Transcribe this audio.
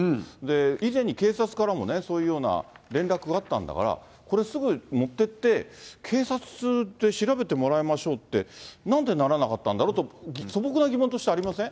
以前に警察からもね、そういうような連絡があったんだから、これ、すぐ持ってって警察で調べてもらいましょうって、なんでならなかったんだろうと、素朴な疑問としてありません？